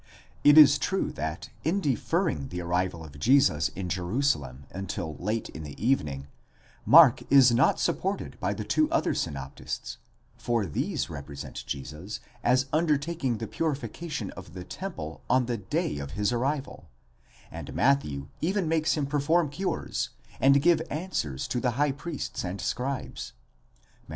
Itis true that, in deferring the arrival of Jesus in Jerusalem until late in the evening, Mark is not supported by the two other synoptists, for these represent Jesus as undertaking the purification of the temple on the day of his arrival, and Matthew even makes him perform cures, and give answers to the high priests and scribes (Matt.